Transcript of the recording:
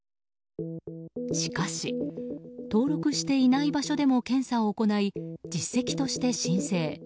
しかし、登録していない場所でも検査を行い実績として申請。